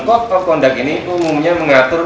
kotak kotak ini umumnya mengatur